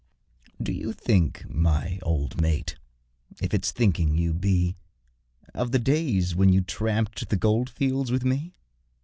Do you think, my old mate (if it's thinking you be), Of the days when you tramped to the goldfields with me?